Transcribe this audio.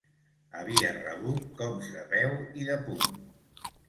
Havia rebut cops de peu i de puny.